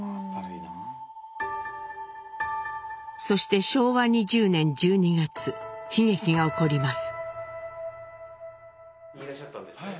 そして昭和２０年１２月悲劇が起こります。